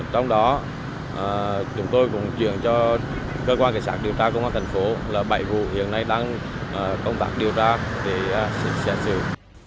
trong đó chúng tôi cũng chuyển cho cơ quan cảnh sát điều tra công an tp là bảy vụ hiện nay đang công tác điều tra để xử xét xử